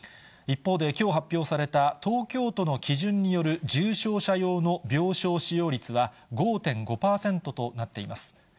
一方で、きょう発表された東京都の基準による重症者用の病床使用率は５．５％となっています。